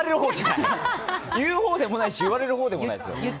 いや、言うほうでもないし言われるほうでもないです。